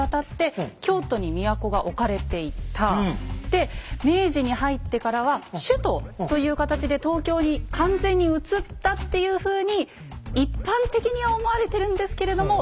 で明治に入ってからは「首都」という形で東京に完全にうつったっていうふうに一般的に思われてるんですけれども。